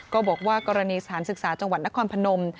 ก็บอกว่ากรณีสถานศึกษาจังหวัดนครพนม